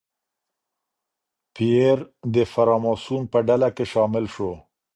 پییر د فراماسون په ډله کې شامل شو.